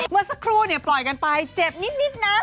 เมื่อสักครู่เนี่ยปล่อยกันไปเจ็บนิดนะ